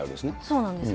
そうなんです。